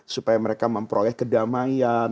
supaya mereka memperoleh kedamaian